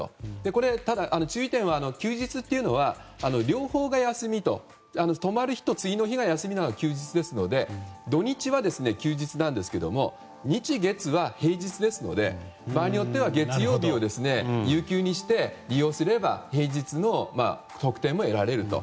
これ、ただ、注意点は休日というのは両方が休みと泊まる人、次の日が休みなら休日になるので土日は休日なんですけれども日月は平日ですので場合によっては月曜日を有給にして利用すれば平日の特典も得られると。